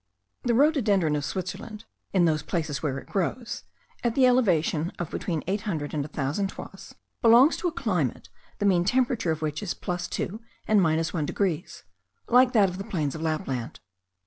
The rhododendron of Switzerland, in those places where it grows, at the elevation of between eight hundred and a thousand toises, belongs to a climate, the mean temperature of which is +2 and 1 degrees, like that of the plains of Lapland.